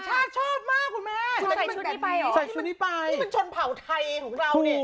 มันชนเผ่าไทยของเราเนี่ย